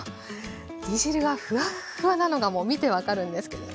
煮汁がフワッフワなのがもう見て分かるんですけれど。